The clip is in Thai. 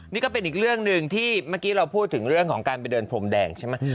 นี่ก็เป็นอีกเรื่องหนึ่งที่เมื่อกี้เราพูดถึงเรื่องของการไปเดินพรมแดงใช่ไหม